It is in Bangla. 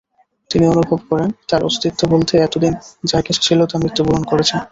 তিনি অনুভব করেন, তার অস্তিত্ব বলতে এতদিন যা কিছু ছিল তা মৃত্যুবরণ করেছে।